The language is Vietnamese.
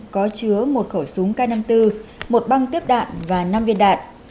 có chứa một khẩu súng k năm mươi bốn một băng tiếp đạn và năm viên đạn